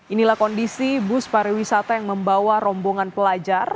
inilah kondisi bus pariwisata yang membawa rombongan pelajar